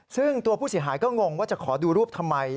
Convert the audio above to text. ซึ่งตัวผู้เสียหายก็งงว่าจะขอดูรูปทำไม